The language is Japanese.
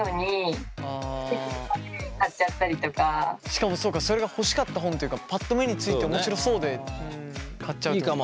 しかもそうかそれが欲しかった本というかパッと目について面白そうで買っちゃうってこと。